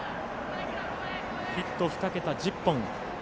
ヒット２桁１０本。